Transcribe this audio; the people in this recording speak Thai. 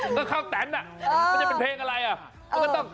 ก็ข้าวแตนมันจะเป็นเพลงอะไรอ่ะ